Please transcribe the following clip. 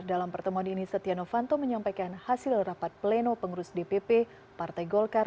dalam pertemuan ini setia novanto menyampaikan hasil rapat pleno pengurus dpp partai golkar